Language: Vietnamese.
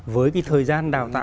với cái thời gian đào tạo